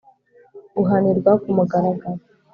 guhanirwa ku mugaragaro